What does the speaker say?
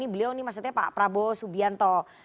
beliau ini maksudnya pak prabowo subianto